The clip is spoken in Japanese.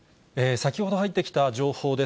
先ほど入ってきた情報です。